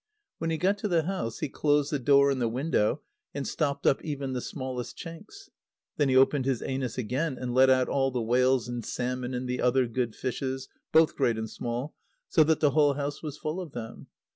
When he got to the house he closed the door and the window, and stopped up even the smallest chinks. Then he opened his anus again, and let out all the whales and salmon, and the other good fishes, both great and small, so that the whole house was full of them.